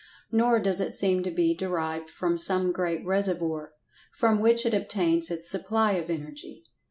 Nor does it seem to be derived from some great reservoir, from which it obtains its supply of Energy.